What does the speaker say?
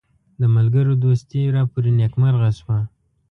د ملګرو دوستي راپوري نیکمرغه شوه.